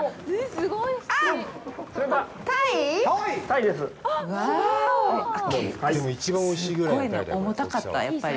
すっごいね、重たかった、やっぱり。